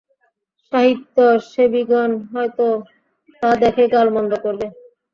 সাহিত্যসেবিগণ হয়তো তা দেখে গালমন্দ করবে।